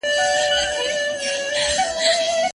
ځیني خلګ له خپلو ستونزو سره مخامخ کېدل نه غواړي.